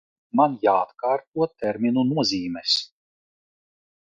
Man jāatkārto terminu nozīmes.